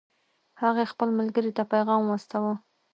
هغې خپل ملګرې ته پیغام واستاوه